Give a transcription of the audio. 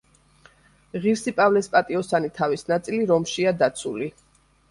ღირსი პავლეს პატიოსანი თავის ნაწილი რომშია დაცული.